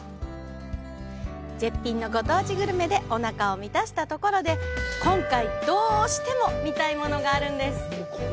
絶品のご当地グルメでおなかを満たしたところで今回、どうしても見たいものがあるんです。